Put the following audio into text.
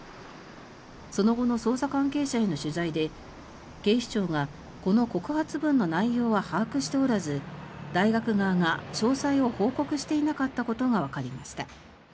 その後の捜査関係者への取材で警視庁がこの告発文の内容は把握しておらず大学側が詳細を報告していなかったことがわかりました。